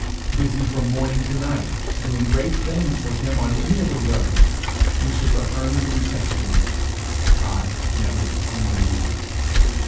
Busy from morning to night doing great things for him on any other road, we should but earn the reception, 'I never knew you.'